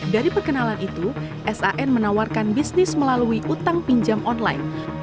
dari perkenalan itu san menawarkan bisnis melalui utang pinjam online